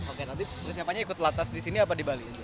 oke nanti persiapannya ikut platnas disini apa di bali